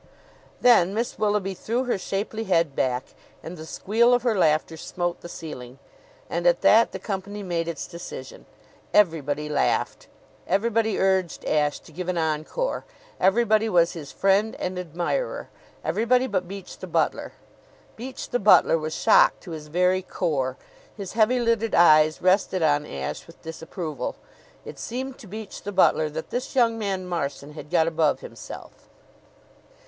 Then Miss Willoughby threw her shapely head back and the squeal of her laughter smote the ceiling. And at that the company made its decision. Everybody laughed. Everybody urged Ashe to give an encore. Everybody was his friend and admirer everybody but Beach, the butler. Beach, the butler, was shocked to his very core. His heavy lidded eyes rested on Ashe with disapproval. It seemed to Beach, the butler, that this young man Marson had got above himself.